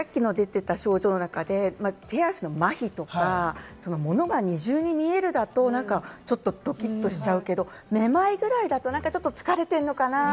さっき出ていた症状の中で、手足のまひとか、物が二重に見えるとかだと、ちょっとドキッとしちゃうけれども、めまいくらいだと疲れているのかな？